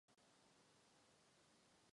Kaple má kazetový strop.